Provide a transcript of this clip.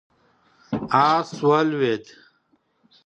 آس ولوېد.